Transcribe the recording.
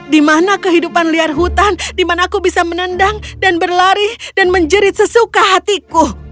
di mana kehidupan liar hutan di mana aku bisa menendang dan berlari dan menjerit sesuka hatiku